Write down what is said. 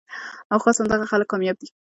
او خاص همدغه خلک کامياب دي